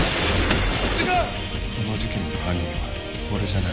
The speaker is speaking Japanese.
その事件の犯人は俺じゃない。